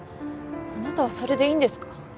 あなたはそれでいいんですか？